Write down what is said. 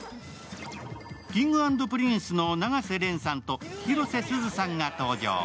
Ｋｉｎｇ＆Ｐｒｉｎｃｅの永瀬廉さんと広瀬すずさんが登場。